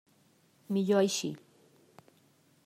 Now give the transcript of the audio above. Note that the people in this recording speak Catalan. Millor així.